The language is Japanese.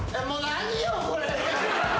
何よこれ？